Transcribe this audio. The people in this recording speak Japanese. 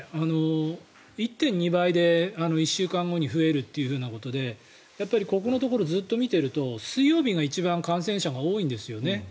１．２倍で１週間後に増えるということでやっぱりここのところをずっと見ていると水曜日が一番、感染者数が多いんですよね。